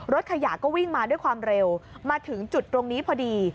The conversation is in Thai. รถขยะก็วิ่งมาด้วยความเร็วมาถึงจุดตรงนี้พอดี